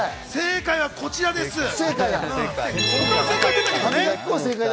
正解はこちらです。